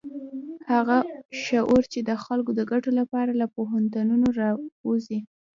هغه شعور چې د خلکو د ګټو لپاره له پوهنتونونو راوزي.